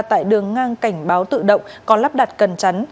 tại đường ngang cảnh báo tự động có lắp đặt cần chắn